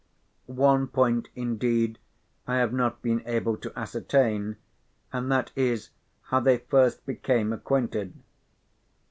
One point indeed I have not been able to ascertain and that is how they first became acquainted.